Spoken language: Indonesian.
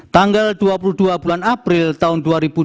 tanggal dua puluh dua bulan april tahun dua ribu dua puluh